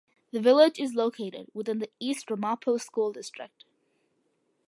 The village is located within the East Ramapo School District.